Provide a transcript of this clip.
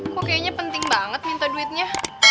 kok kayaknya penting banget minta duitnya